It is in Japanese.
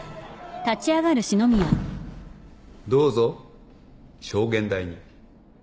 どうぞ証言台に。